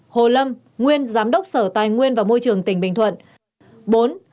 hai hồ lâm nguyên giám đốc sở tài nguyên và môi trường tỉnh bình thuận